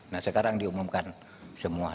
nah sekarang diumumkan semua